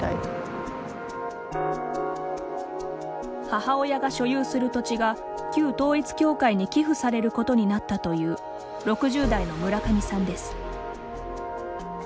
母親が所有する土地が旧統一教会に寄付されることになったという６０代の村上さんです。